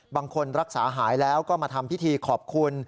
บางคนรักษาหายแล้วก็มาทำพิธีขอบคุณ